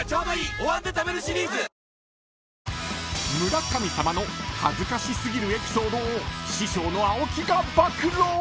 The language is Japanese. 「お椀で食べるシリーズ」［村神様の恥ずかし過ぎるエピソードを師匠の青木が暴露］